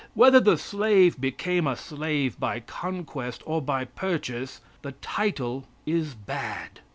Whether the slave became a slave by conquest or by purchase, the title is bad."